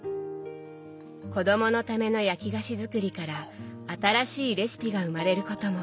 子どものための焼き菓子作りから新しいレシピが生まれることも。